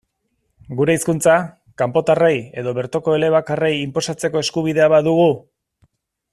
Gure hizkuntza, kanpotarrei edo bertoko elebakarrei, inposatzeko eskubidea badugu?